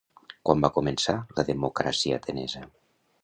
Quan va començar la democràcia atenesa?